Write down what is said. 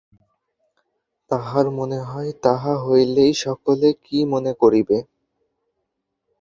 তাঁহার মনে হয়, তাহা হইলে সকলে কি মনে করিবে।